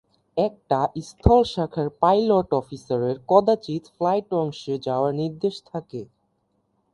একটা স্থল শাখার পাইলট অফিসারের কদাচিৎ ফ্লাইট অংশে যাওয়ার নির্দেশ থাকে।